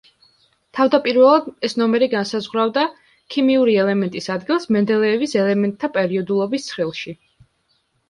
თავდაპირველად, ეს ნომერი განსაზღვრავდა ქიმიური ელემენტის ადგილს მენდელეევის ელემენტთა პერიოდულობის ცხრილში.